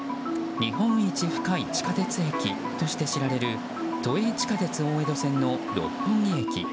日本一深い地下鉄駅として知られる都営地下鉄大江戸線の六本木駅。